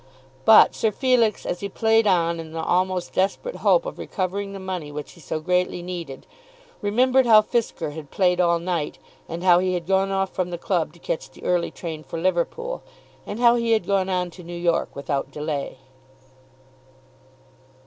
But Sir Felix, as he played on in the almost desperate hope of recovering the money which he so greatly needed, remembered how Fisker had played all night, and how he had gone off from the club to catch the early train for Liverpool, and how he had gone on to New York without delay.